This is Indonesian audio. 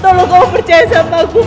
tolong kau percaya sama aku mas